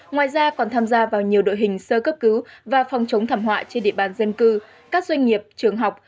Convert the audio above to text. ngoài ra còn tham gia vào nhiều đội hình sơ cấp cứu và phòng chống thảm họa trên địa bàn dân cư các doanh nghiệp trường học